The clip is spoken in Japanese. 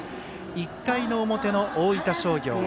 １回の表の大分商業。